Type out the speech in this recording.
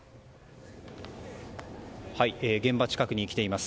現場近くに来ています。